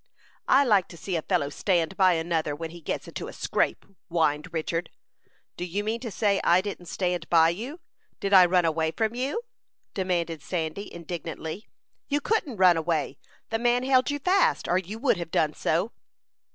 "I like to see a fellow stand by another when he gets into a scrape," whined Richard. "Do you mean to say I didn't stand by you? Did I run away from you?" demanded Sandy, indignantly. "You couldn't run away. The man held you fast, or you would have done so."